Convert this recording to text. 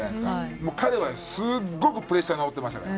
もう彼はすごくプレッシャーに思ってましたから。